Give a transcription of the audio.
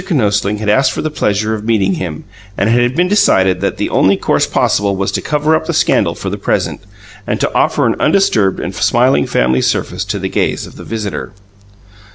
Kinosling had asked for the pleasure of meeting him, and it had been decided that the only course possible was to cover up the scandal for the present, and to offer an undisturbed and smiling family surface to the gaze of the visitor.